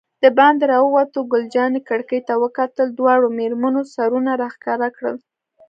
دباندې راووتو، ګل جانې کړکۍ ته وکتل، دواړو مېرمنو سرونه را ښکاره کړل.